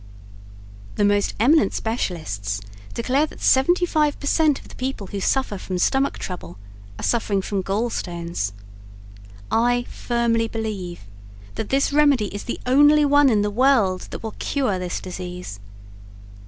The most eminent specialists declare that 75 per cent of the people who suffer from Stomach Trouble are suffering from Gall Stones. I firmly believe that this remedy is the only one in the world that will cure this disease.